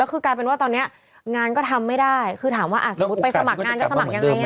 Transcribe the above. ก็คือกลายเป็นว่าตอนนี้งานก็ทำไม่ได้คือถามว่าสมมุติไปสมัครงานจะสมัครยังไง